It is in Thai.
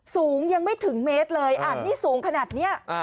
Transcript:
สูงยังไม่ถึงเมตรเลยอันนี้สูงขนาดนี้